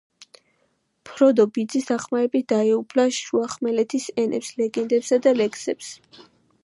ფროდო ბიძის დახმარებით დაეუფლა შუახმელეთის ენებს, ლეგენდებსა და ლექსებს.